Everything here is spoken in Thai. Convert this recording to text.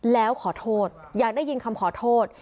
แล้วขอโทษอยากได้ยินคำขอโทษ